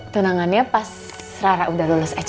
tunangannya pas rara udah lulus aja